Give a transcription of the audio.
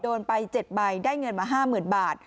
โดนไป๗ใบได้เงินมา๕๐๐๐บาท